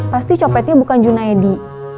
pasti copetnya bukan junaedi